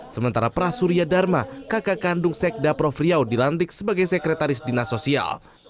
sementara prasuria dharma kakak kandung sekda prof riau dilantik sebagai sekretaris dinas sosial